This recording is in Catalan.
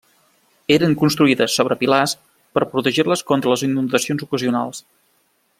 Eren construïdes sobre pilars per protegir-les contra les inundacions ocasionals.